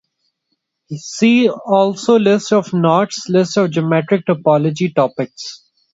See also list of knots, list of geometric topology topics.